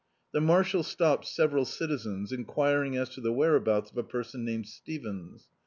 The marshal stopped several citizens, enquiring as to the whereabouts of a person named Stevens.